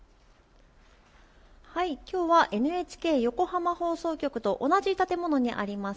きょうはＮＨＫ横浜放送局と同じ建物にあります